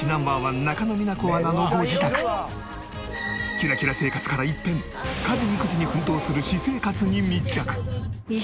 キラキラ生活から一変家事・育児に奮闘する私生活に密着。